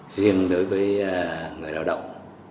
riêng đối với người lao động